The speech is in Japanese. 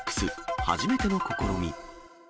初めての試み。